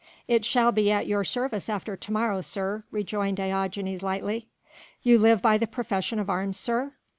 "It shall be at your service after to morrow, sir," rejoined Diogenes lightly. "You live by the profession of arms, sir?